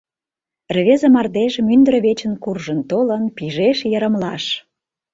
Рвезе мардеж, мӱндыр вечын Куржын толын, пижеш йырымлаш.